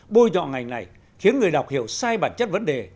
bôi nhọ ngành này khiến người đọc hiểu sai bản chất vấn đề